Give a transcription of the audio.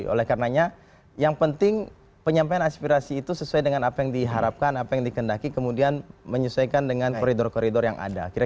oleh karenanya yang penting penyampaian aspirasi itu sesuai dengan apa yang diharapkan apa yang dikendaki kemudian menyesuaikan dengan koridor koridor yang ada